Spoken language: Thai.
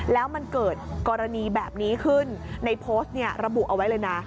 แล้วมันเกิดกรณีแบบนี้ขึ้นในโพสต์เนี่ยระบุเอาไว้เลยนะ